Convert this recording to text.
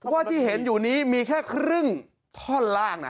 ว่าที่เห็นอยู่นี้มีแค่ครึ่งท่อนล่างนะ